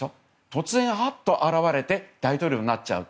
突然、わっと現れて大統領になっちゃう。